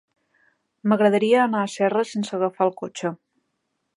M'agradaria anar a Serra sense agafar el cotxe.